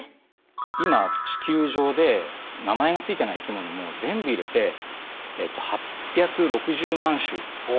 今地球上で名前がついてない生きものも全部入れて８６０万種。